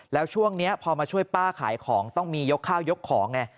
แล้วช่วงนี้พอมาช่วยป้าขายของต้องมียกข้าวยกของไง